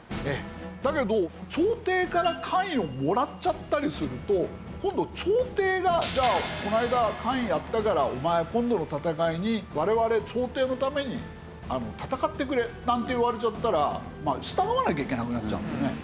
だけど朝廷から官位をもらっちゃったりすると今度朝廷が「じゃあこの間官位やったからお前今度の戦いに我々朝廷のために戦ってくれ」なんて言われちゃったら従わなきゃいけなくなっちゃうんですね。